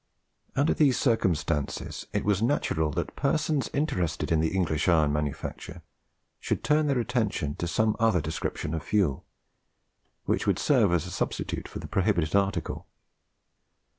Under these circumstances, it was natural that persons interested in the English iron manufacture should turn their attention to some other description of fuel which should serve as a substitute for the prohibited article.